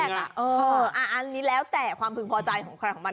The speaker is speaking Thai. เอออันนี้แล้วแต่ความพึงพอใจของมัน